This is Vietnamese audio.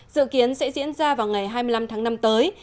dự kiến sẽ diễn ra vào ngày hai mươi năm tháng năm tới